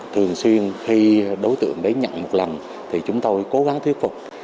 thường xuyên khi đối tượng đấy nhận một lần thì chúng tôi cố gắng thuyết phục